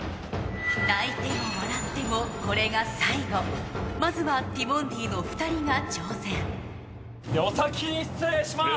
泣いても笑ってもこれが最後まずはティモンディの２人が挑戦じゃあお先に失礼します！